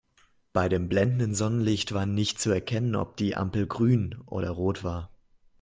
Bei dem blendenden Sonnenlicht war nicht zu erkennen, ob die Ampel grün oder rot war.